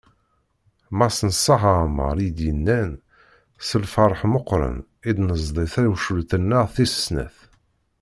Mass Neṣṣaḥ Ɛmer, i d-yennan: “S lferḥ meqqren i d-nezdi tawcult-nneɣ tis snat."